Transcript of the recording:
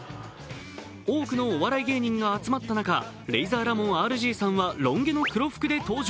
多くのお笑い芸人が集まった中、レイザーラモンＲＧさんはロン毛の黒服で登場。